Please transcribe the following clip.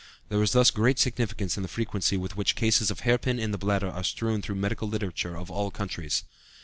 There is thus great significance in the frequency with which cases of hair pin in the bladder are strewn through the medical literature of all countries.